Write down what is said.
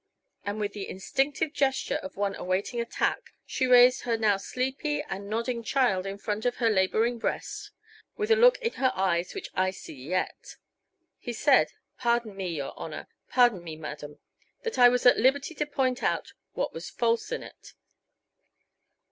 And with the instinctive gesture of one awaiting attack she raised her now sleepy and nodding child in front of her laboring breast, with a look in her eyes which I see yet. "He said pardon me, your Honor, pardon me, Madam that I was at liberty to point out what was false in it."